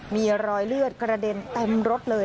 มีรอยเลือดกระเด็นเต็มรถเลย